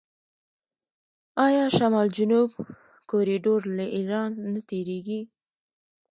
آیا شمال جنوب کوریډور له ایران نه تیریږي؟